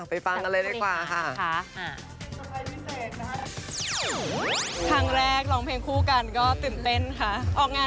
ฟังกันเลยดีกว่าค่ะ